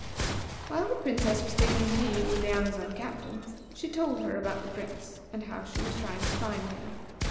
"While the Princess was taking tea with the Amazon Captain, she told her about the Prince, and how she was trying to find him.